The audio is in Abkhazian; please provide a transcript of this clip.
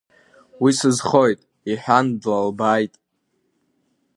Уи сызхоит, – иҳәан, длалбааит.